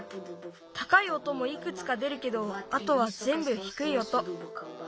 たかい音もいくつか出るけどあとはぜんぶひくい音。